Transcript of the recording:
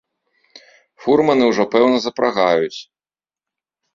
Фурманы ўжо, пэўна, запрагаюць.